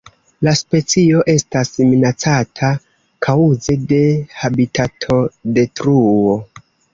La specio estas minacata kaŭze de habitatodetruo.